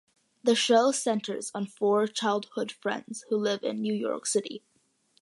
The show centers on four childhood friends who live in New York City.